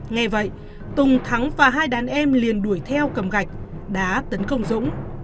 nghe vậy tùng thắng và hai đàn em liền đuổi theo cầm gạch đá tấn công dũng